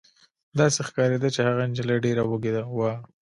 داسې ښکارېده چې هغه نجلۍ ډېره وږې وه